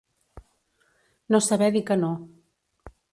No saber dir que no.